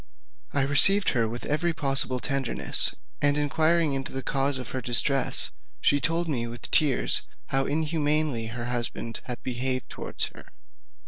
I received her with every possible tenderness, and inquiring into the cause of her distress, she told me with tears how inhumanly her husband had behaved towards her.